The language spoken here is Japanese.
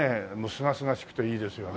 すがすがしくていいですよね。